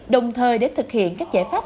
đồng thời để thực hiện các giải pháp